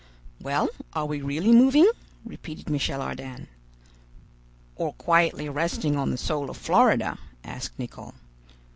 "Well, are we really moving?" repeated Michel Ardan. "Or quietly resting on the soil of Florida?" asked Nicholl.